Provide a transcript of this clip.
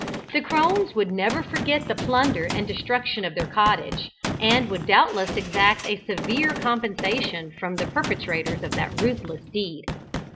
The crones would never forget the plunder and destruction of their cottage, and would doubtless exact a severe compensation from the perpetrators of that ruthless deed.